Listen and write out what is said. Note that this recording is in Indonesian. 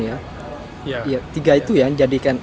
tiga itu yang jadikan